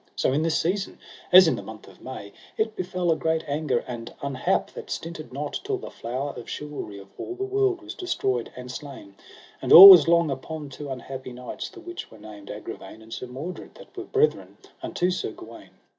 So in this season, as in the month of May, it befell a great anger and unhap that stinted not till the flower of chivalry of all the world was destroyed and slain; and all was long upon two unhappy knights the which were named Agravaine and Sir Mordred, that were brethren unto Sir Gawaine.